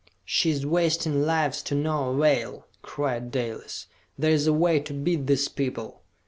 "She is wasting lives to no avail!" cried Dalis. "There is a way to beat these people!"